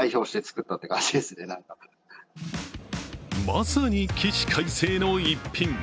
まさに起死回生の一品。